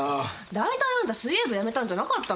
大体あんた水泳部辞めたんじゃなかったの？